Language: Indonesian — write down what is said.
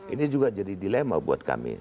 ini juga jadi dilema buat kami